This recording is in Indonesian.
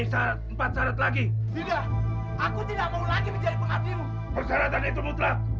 syarat empat syarat lagi tidak aku tidak mau lagi menjadi penghasil persyaratan itu mutlak